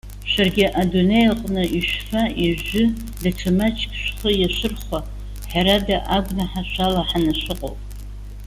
Шәаргьы адунеи аҟны ишәфа, ишәжәы, даҽа маҷк шәхы иашәырхәа! Ҳәарада, агәнаҳа шәалаҳаны шәыҟоуп.